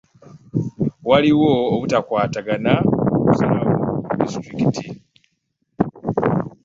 Waliwo obutakwatagana mu kusalawo ku disitulikiti.